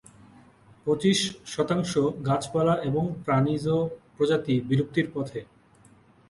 পঁচিশ শতাংশ গাছপালা এবং প্রাণীজ প্রজাতি বিলুপ্তির পথে।